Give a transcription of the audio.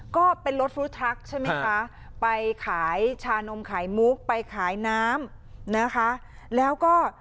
ก็เป็นรถฟู้ทรัคใช่ไหมคะไปขายชานมขายมุกไปขายน้ำนะคะแล้วก็